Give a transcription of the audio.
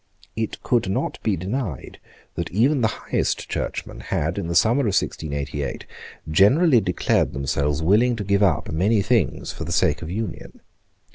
It could not be denied that even the highest churchmen had, in the summer of 1688, generally declared themselves willing to give up many things for the sake of union.